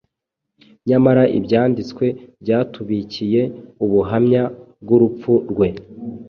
nyamara Ibyanditswe byatubikiye ubuhamya bw’urupfu rwe.